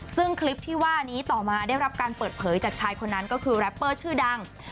ซึ่งคลิปที่ว่านี้ต่อมาได้รับการเปิดเผยจากชายคนนั้นก็คือแรปเปอร์ชื่อดัง